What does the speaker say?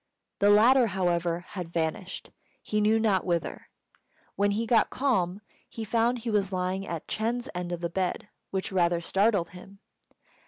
The latter, however, had vanished, he knew not whither. When he got calm, he found he was lying at Ch'êng's end of the bed, which rather startled him.